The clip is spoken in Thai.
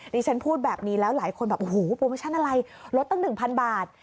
ฉันพูดแบบนี้แล้วหลายคนแบบโอ้โหโปรโมชั่นอะไรลดตั้ง๑๐๐บาท